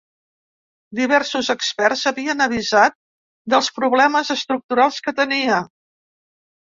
Diversos experts havien avisat dels problemes estructurals que tenia.